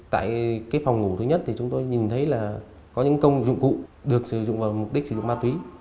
tại phòng ngủ thứ nhất thì chúng tôi nhìn thấy là có những công dụng cụ được sử dụng vào mục đích sử dụng ma túy